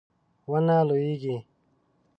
ونه لویږي